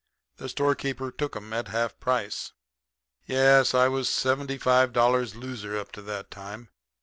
The storekeeper took 'em at half price. "Yes, I was seventy five dollars loser up to that time.